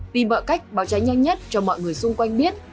tìm mọi cách báo cháy nhanh nhất cho mọi người xung quanh biết